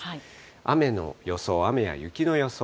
雨の予想、雨や雪の予想。